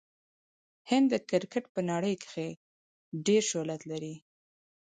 هند د کرکټ په نړۍ کښي ډېر شهرت لري.